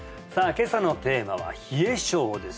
今朝のテーマは冷え症です